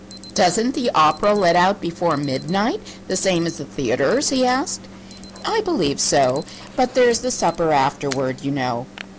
"Doesn't the opera let out before midnight, the same as the theatres?" he asked. "I believe so; but there is the supper, afterward, you know."